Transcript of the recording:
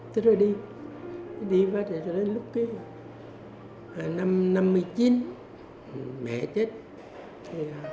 thế rồi đi đi và đến lúc năm một nghìn chín trăm năm mươi chín mẹ chết